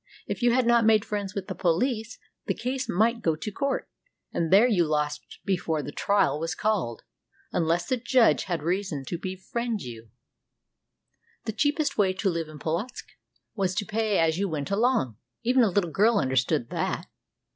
If you had not made friends with the police, the case might go to court ; and there you lost before the trial was called, unless the judge had reason to befriend you. 243 RUSSIA The cheapest way to live in Polotzk was to pay as you went along. Even a little girl understood that.